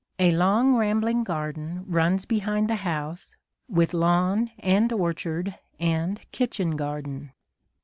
A long rambling garden runs behind the house, with lawn and orchard and kitchen garden.